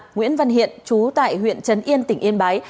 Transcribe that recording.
nguyễn văn hiện chú tại huyện trần yên tỉnh yên bái